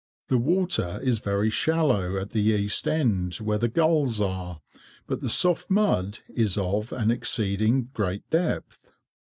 The water is very shallow at the east end, where the gulls are, but the soft mud is of an exceeding great depth.